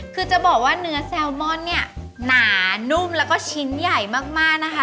คือจะบอกว่าเนื้อแซลมอนเนี่ยหนานุ่มแล้วก็ชิ้นใหญ่มากนะคะ